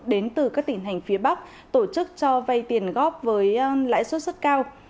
đến từ các tỉnh hành phía bắc tổ chức cho vay tiền góp với lãi suất rất cao